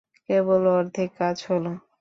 কেবল অর্ধেক কাজ হলো।